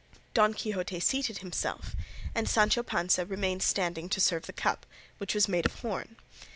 Don Quixote seated himself, and Sancho remained standing to serve the cup, which was made of horn.